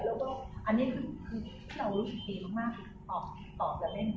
เรารู้สึกดีมากคือตอบแล้วเล่น